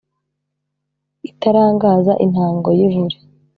itarangaza intango y’ ivure,